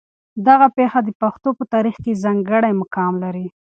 دغه پېښه د پښتنو په تاریخ کې ځانګړی مقام لري.